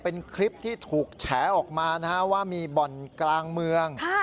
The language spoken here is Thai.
เป็นคลิปที่ถูกแฉออกมานะฮะว่ามีบ่อนกลางเมือง